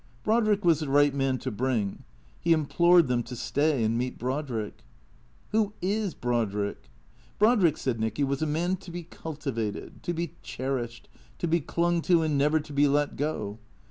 Brodrick was the right man to bring. He implored them to stay and meet Brodrick. " Who is Brodrick ?" Brodrick, said Nicky, was a man to be cultivated, to be cherished, to be clung to and never to be let go.